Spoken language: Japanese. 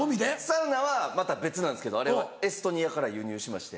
サウナはまた別なんですけどあれはエストニアから輸入しまして。